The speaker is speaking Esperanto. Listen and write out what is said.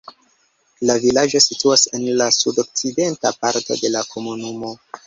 La vilaĝo situas en la sudokcidenta parto de la komunumo.